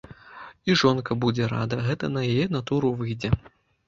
І жонка будзе рада, гэта на яе натуру выйдзе.